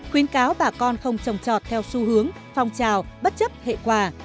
khuyến cáo bà con không trồng trọt theo xu hướng phong trào bất chấp hệ quả